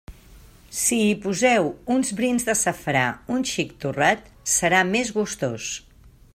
Si hi poseu uns brins de safrà un xic torrat, serà més gustós.